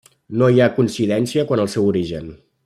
No hi ha coincidència quant al seu origen.